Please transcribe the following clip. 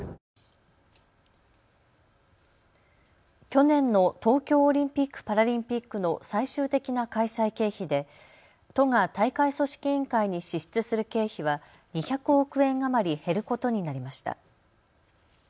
去年の東京オリンピック・パラリンピックの最終的な開催経費で都が大会組織委員会に支出する経費は２００億円余り減ることになりました。